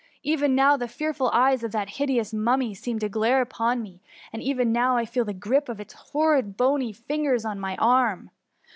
— even now the fearful eyes of that hide ous Mummy seem to glare upon me ; and even now I feel the gripe of its horrid bony fingers on my arm